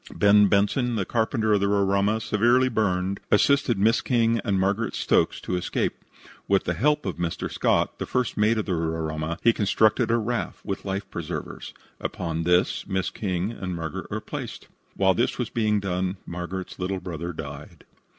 Ben Benson, the carpenter of the Roraima, severely burned, assisted Miss King and Margaret Stokes to escape. With the help of Mr. Scott, the first mate of the Roraima, he constructed a raft, with life preservers. Upon this Miss King and Margaret were placed. While this was being done Margaret's little brother died.